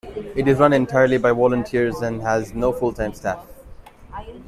It is run entirely by volunteers and has no full-time staff.